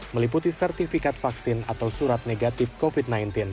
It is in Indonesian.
meliputi sertifikat vaksin atau surat negatif covid sembilan belas